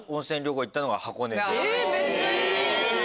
めっちゃいい！